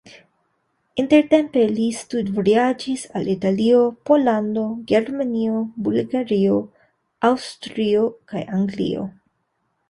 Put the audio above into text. Intertempe li studvojaĝis al Italio, Pollando, Germanio, Bulgario, Aŭstrio kaj Anglio.